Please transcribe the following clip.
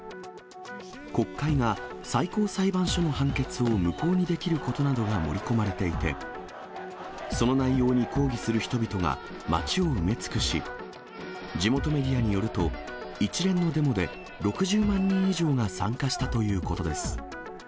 国会が最高裁判所の判決を無効にできることなどが盛り込まれていて、その内容に抗議する人々が街を埋め尽くし、地元メディアによると、一連のデモで６０万人以上が参加したということです。